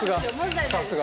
さすが。